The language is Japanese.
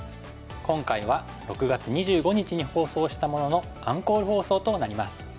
今回は６月２５日に放送したもののアンコール放送となります。